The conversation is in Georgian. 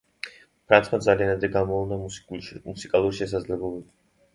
ფრანცმა ძალიან ადრე გამოავლინა მუსიკალური შესაძლებლობები.